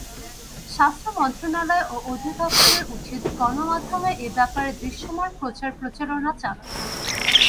স্বাস্থ্য মন্ত্রণালয় ও অধিদপ্তরের উচিত গণমাধ্যমে এ ব্যাপারে দৃশ্যমান প্রচার প্রচারণা চালানো।